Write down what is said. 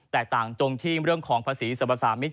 แตกต่างตรงที่เรื่องของภาษีสรรพสามิตร